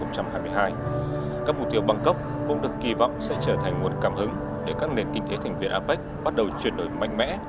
các mục tiêu bangkok cũng được kỳ vọng sẽ trở thành nguồn cảm hứng để các nền kinh tế thành viên apec bắt đầu chuyển đổi mạnh mẽ